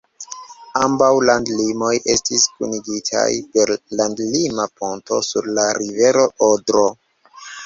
Ambaŭ landlimoj estis kunigitaj per landlima ponto sur la rivero Odro.